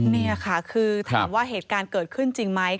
นี่ค่ะคือถามว่าเหตุการณ์เกิดขึ้นจริงไหม